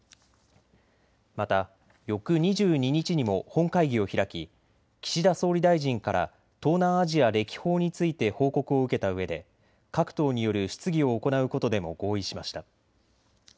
また翌２２日にも本会議を開き岸田総理大臣から東南アジア歴訪について報告を受けたうえで各党による質疑を行うことでも合意しました。